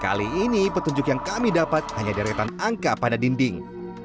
kali ini petunjuk yang kami dapat hanya deretan angka pada dinding